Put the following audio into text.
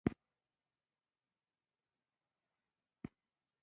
هر ډول حد او برید له منځه وړي.